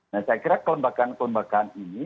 nah saya kira kelombagaan kelombagaan ini